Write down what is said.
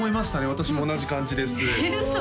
私も同じ感じですえっ嘘？